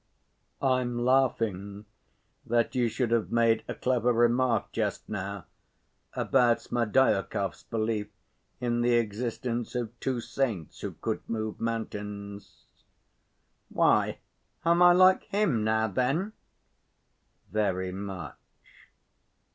"I'm laughing that you should have made a clever remark just now about Smerdyakov's belief in the existence of two saints who could move mountains." "Why, am I like him now, then?" "Very much."